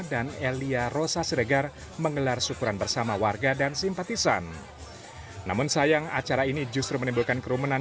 kepala lingkungan setempat mengaku sempat mengimbau kepada undangan untuk tidak menimbulkan kerumunan